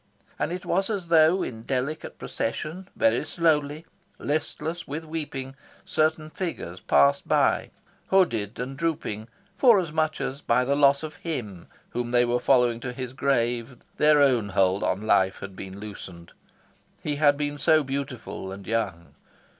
And it was as though in delicate procession, very slowly, listless with weeping, certain figures passed by, hooded, and drooping forasmuch as by the loss of him whom they were following to his grave their own hold on life had been loosened. He had been so beautiful and young.